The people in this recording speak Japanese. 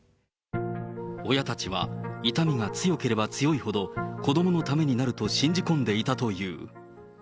親たちは痛みが強ければ強いほど、子どものためになると信じ込んでいたという。